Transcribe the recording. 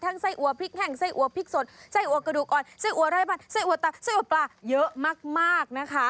ไส้อัวพริกแห้งไส้อัวพริกสดไส้อัวกระดูกอ่อนไส้อัวไร่มันไส้อัวตักไส้อัวปลาเยอะมากนะคะ